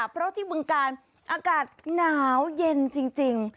เพราะที่บึงกาลอากาศหนาวเย็นจริง